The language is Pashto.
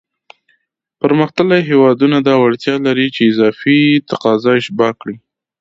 پرمختللی هېوادونه دا وړتیا لري چې اضافي تقاضا اشباع کړي.